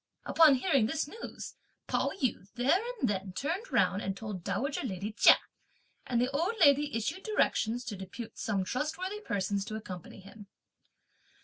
Upon hearing this news, Pao yü there and then turned round and told dowager lady Chia; and the old lady issued directions to depute some trustworthy persons to accompany him.